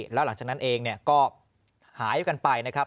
แล้วหลังจากนั้นเองก็หายกันไปนะครับ